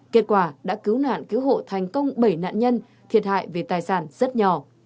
kết quả đã cứu nạn cứu hộ thành công bảy nạn nhân thiệt hại về tài sản rất nhỏ